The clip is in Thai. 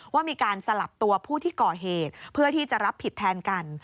ว่ามีการสลับตัวผู้ที่ก่อเหตุเพื่อที่จะรับผิดแทนกัน